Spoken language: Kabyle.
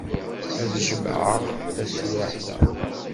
Ad t-jemɛeɣ taswiɛt-a.